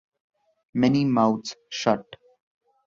Many Mouths Shut!